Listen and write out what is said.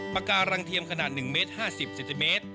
ปากการังเทียมขนาด๑เมตร๕๐เซนติเมตร